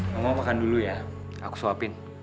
mau gak makan dulu ya aku suapin